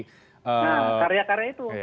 nah karya karya itu